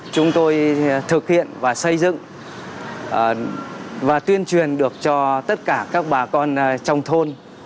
chúng tôi thực hiện và xây dựng và tuyên truyền được cho tất cả các bà con trong thôn